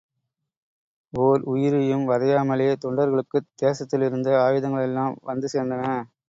ஓர் உயிரையும் வதையாமலே தொண்டர்களுக்குத் தேசத்திலிருந்த ஆயுதங்களெல்லாம் வந்து சேர்ந்தன.